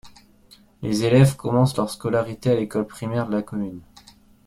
Les élèves commencent leur scolarité à l'école primaire de la commune.